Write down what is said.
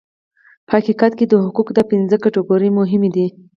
په حقیقت کې د حقوقو دا پنځه کټګورۍ مهمې دي.